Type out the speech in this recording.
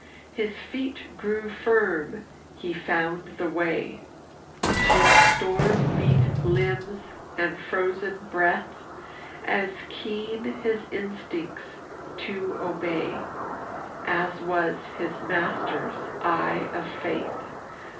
His feet grew firm, he found the way With storm beat limbs and frozen breath, As keen his instincts to obey As was his master's eye of faith.